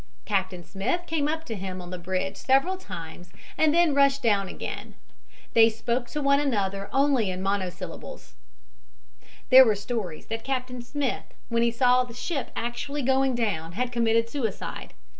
Captain Smith came up to him on the bridge several times and then rushed down again. They spoke to one another only in monosyllables. There were stories that Captain Smith, when he saw the ship actually going down, had committed suicide.